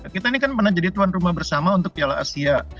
kita ini kan pernah jadi tuan rumah bersama untuk piala asia